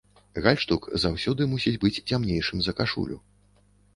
Гальштук заўсёды мусіць быць цямнейшым за кашулю.